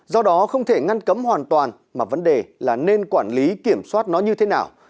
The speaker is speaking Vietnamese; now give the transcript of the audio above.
do đó không thể ngăn cấm hoàn toàn mà vấn đề là nên quản lý kiểm soát nó như thế nào